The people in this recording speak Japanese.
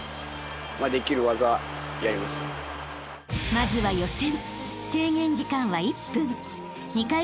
［まずは予選］